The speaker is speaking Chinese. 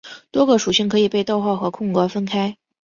多个属性可以被逗号和空格分开。